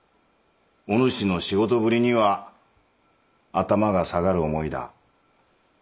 お主の仕事ぶりには頭が下がる思いだ。